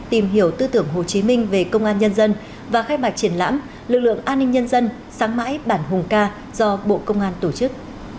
tìm hiểu tư tưởng hồ chí minh về công an nhân dân và khai mạc triển lãm lực lượng an ninh nhân dân sáng mãi bản hùng ca do bộ công an tổ chức